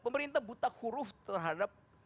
pemerintah buta huruf terhadap